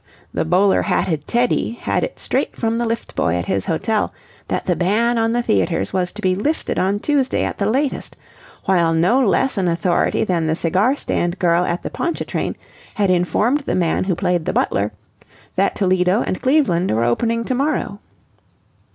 The bowler hatted Teddy had it straight from the lift boy at his hotel that the ban on the theatres was to be lifted on Tuesday at the latest; while no less an authority than the cigar stand girl at the Pontchatrain had informed the man who played the butler that Toledo and Cleveland were opening to morrow.